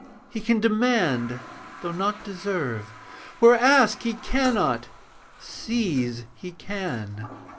He can demand, though not deserve, Where ask he cannot, seize he can.